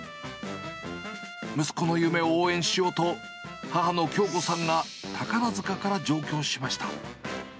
息子の夢を応援しようと、母の京子さんが宝塚から上京しました。